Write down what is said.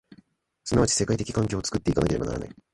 即ち世界的環境を作って行かなければならない。